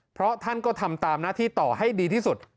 เพราะท่านก็ทำตามหน้าที่ต่อให้ดีที่สุด